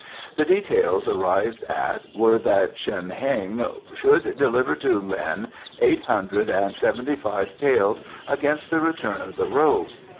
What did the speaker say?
The details arrived at were that Shen Heng should deliver to Lin eight hundred and seventy five taels against the return of the robe.